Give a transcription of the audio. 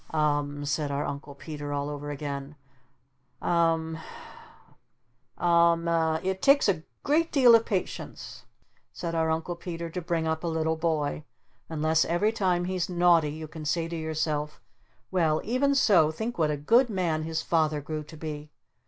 "U m m," said our Uncle Peter all over again. "U m m Um m m U m m. It takes a great deal of patience," said our Uncle Peter, "to bring up a little boy. Unless every time he's naughty you can say to yourself 'Well, even so think what a good man his Father grew to be!'